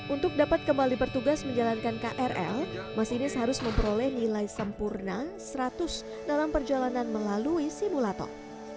untuk dapat kembali bertugas menjalankan krl masinis harus memperoleh nilai sempurna seratus dalam perjalanan melalui simulator